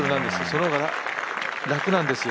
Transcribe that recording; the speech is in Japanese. その方が楽なんですよ。